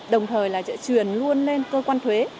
đồng thời là sẽ truyền luôn lên cơ quan thuế